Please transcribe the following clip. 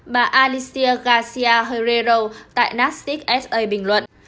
bà alicia garcia herrero tại gnastic sa bình luận